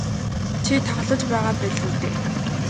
Чи тоглож байгаа байлгүй дээ.